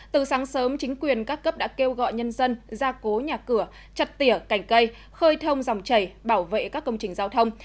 từ sáng sớm chính quyền các cấp đã kêu gọi nhân dân ra cố nhà cửa chặt tỉa cành cây khơi thông dòng chảy bảo vệ các công trình giao thông